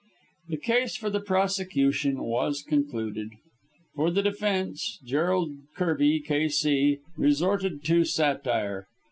The case for the prosecution was concluded. For the defence, Gerald Kirby, K.C., resorted to satire.